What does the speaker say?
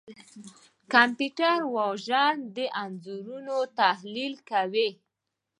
کمپیوټر وژن د انځورونو تحلیل کوي.